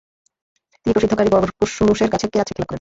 তিনি প্রসিদ্ধ কারী বরকসুসের কাছে কেরাত শিক্ষালাভ করেন।